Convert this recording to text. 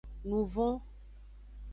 Nuvon.